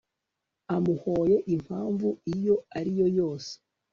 amuhoye impamvu iyo ari yo yose